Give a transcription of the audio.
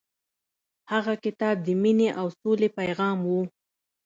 هغه کتاب د مینې او سولې پیغام و.